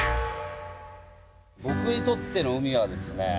僕にとっての海はですね